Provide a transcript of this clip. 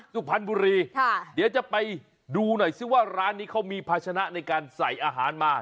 สุภัณฑ์บุรีไปดูซีว่าร้านนี้เขามีภาชนะในการใส่อาหารมา